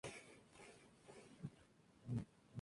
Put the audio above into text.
Sin embargo, el prometido del hobbit le dice que aún la ama.